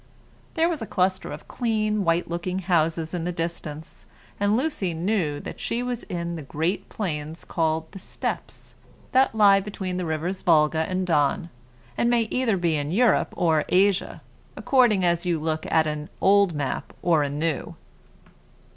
There was a cluster of clean, white looking houses in the distance; and Lucy knew that she was in the great plains called the Steppes, that lie between the rivers Volga and Don, and may be either in Europe or Asia, according as you look at an old map or a new.